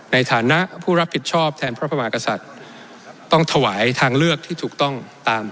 ในฐานะผู้รับผิดชอบแทนพระพระมากษัตริย์ต้องถวายทางเลือกที่ถูกต้องตาม